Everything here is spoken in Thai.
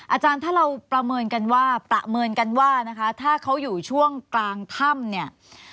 อาจารย์ถ้าเราประเมินกันว่าถ้าเขาอยู่ช่วงกลางถ้ำเนี่ย